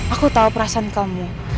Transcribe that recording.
aku tau perasaan kamu